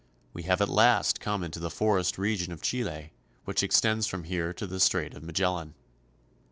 We have at last come into the forest region of Chile, which extends from here to the Strait of Magellan.